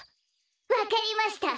わかりました。